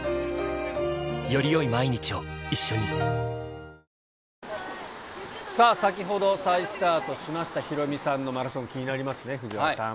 桝さん、ヒロミさんのマラソ先ほど再スタートしましたヒロミさんのマラソン、気になりますね、藤原さん。